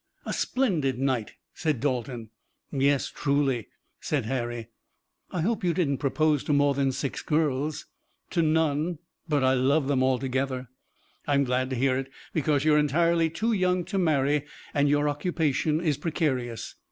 "A splendid night," said Dalton. "Yes, truly," said Harry. "I hope you didn't propose to more than six girls." "To none. But I love them all together." "I'm glad to hear it, because you're entirely too young to marry, and your occupation is precarious."